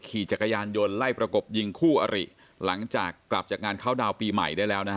ขี่จักรยานยนต์ไล่ประกบยิงคู่อริหลังจากกลับจากงานเข้าดาวน์ปีใหม่ได้แล้วนะฮะ